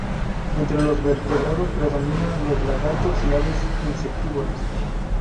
Entre los vertebrados predominan los lagartos y aves insectívoras.